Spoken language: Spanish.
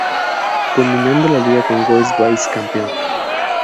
Culminando la liga con Goes Vice campeón.